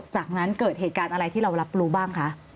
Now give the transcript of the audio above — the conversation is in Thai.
จากนั้นเกิดเหตุการณ์อะไรที่เรารับรู้บ้างคะ